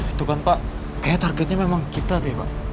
itu kan pak kayaknya targetnya memang kita deh pak